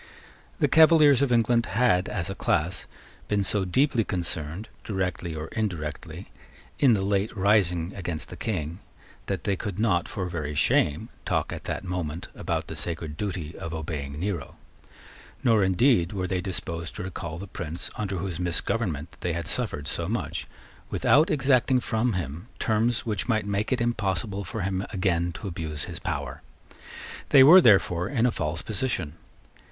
The Cavaliers of England had, as a class, been so deeply concerned, directly or indirectly, in the late rising against the King, that they could not, for very shame, talk at that moment about the sacred duty of obeying Nero; nor, indeed, were they disposed to recall the prince under whose misgovernment they had suffered so much, without exacting from him terms which might make it impossible for him again to abuse his power. They were, therefore, in a false position.